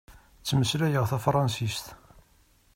Ttmeslayeɣ tafṛansist.